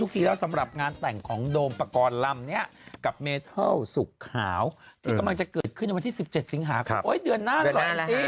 เมื่อกี้แล้วสำหรับงานแต่งของโดมปกรรมเนี่ยกับเมเทิลสุขขาวที่กำลังจะเกิดขึ้นวันที่๑๗สิงหาคม